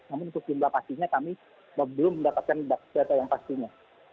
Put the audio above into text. namun untuk jumlah pastinya kami belum mendapatkan data yang pastinya